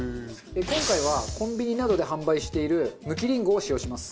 今回はコンビニなどで販売しているむきりんごを使用します。